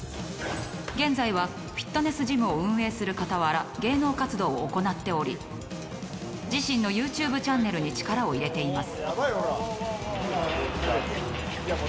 現在はフィットネスジムを運営する傍ら芸能活動を行っており自身のユーチューブチャンネルにも力を入れています。